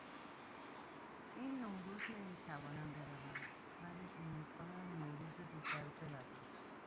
این نوروز نمیتوانم بروم ولی امیدوارم نوروز دیگر بروم.